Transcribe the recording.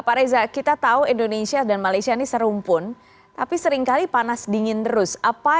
pak reza kita tahu indonesia dan malaysia ini serumpun tapi seringkali panas dingin terus